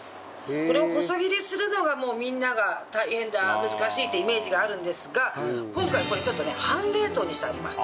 これを細切りするのがもうみんなが大変だ難しいってイメージがあるんですが今回これちょっとね半冷凍にしてあります。